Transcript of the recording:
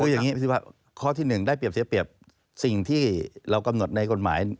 อย่างนี้สิว่าข้อที่๑ได้เปรียบเสียเปรียบสิ่งที่เรากำหนดในกฎหมาย